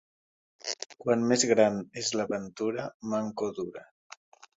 Quan més gran és la ventura, manco dura.